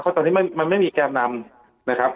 เพราะตอนนี้มันไม่มีแกนนำนะครับ